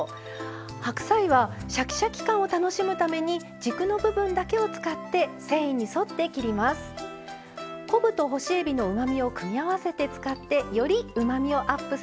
白菜はシャキシャキ感を楽しむために軸の部分だけを使って繊維に沿って切ります。